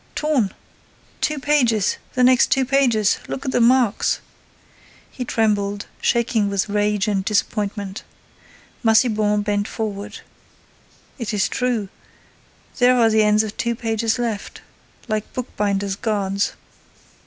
"Torn! Two pages! The next two pages! Look at the marks!" He trembled, shaking with rage and disappointment. Massiban bent forward. "It is true—there are the ends of two pages left, like bookbinders' guards.